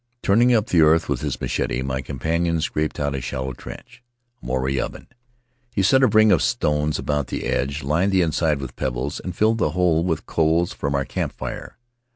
Turning up the earth with his In the Valley of Vaitia machete, my companion scraped out a shallow trench — a Maori oven. He set a ring of stones about the edge, lined the inside with pebbles, and filled the whole with coals from our camp fire.